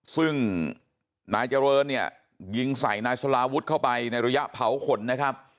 ซึ่งนายเจริญเนี่ยยิงใส่นายสลาวุฒิเข้าไปในระยะเผาขนนะครับ